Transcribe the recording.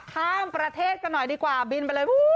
ข้ามประเทศกันหน่อยดีกว่าบินไปเลย